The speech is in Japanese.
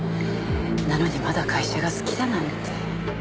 なのにまだ会社が好きだなんて。